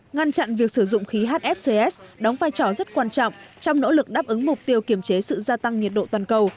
ngăn chặn việc sử dụng khí hfcs đóng vai trò rất quan trọng trong nỗ lực đáp ứng mục tiêu kiểm chế sự gia tăng nhiệt độ toàn cầu